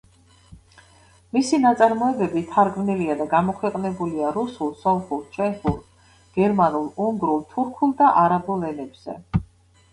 მისი ნაწარმოებები თარგმნილია და გამოქვეყნებულია რუსულ, სომხურ, ჩეხურ, გერმანულ, უნგრულ, თურქულ და არაბულ ენებზე.